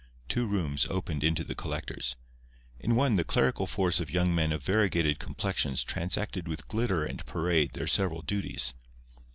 Two rooms opened into the collector's. In one the clerical force of young men of variegated complexions transacted with glitter and parade their several duties.